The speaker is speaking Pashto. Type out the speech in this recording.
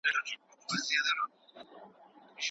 موږ د دې توپير نه کوو.